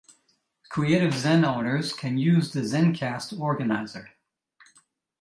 Creative Zen owners can use the ZenCast organiser.